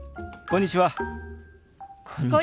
こんにちは。